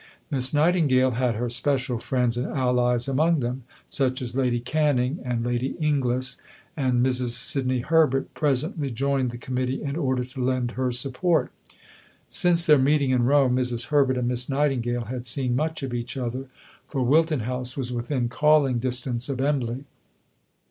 Miss Nightingale had her special friends and allies among them, such as Lady Canning and Lady Inglis, and Mrs. Sidney Herbert presently joined the Committee in order to lend her support. Since their meeting in Rome, Mrs. Herbert and Miss Nightingale had seen much of each other, for Wilton House was within calling distance of Embley.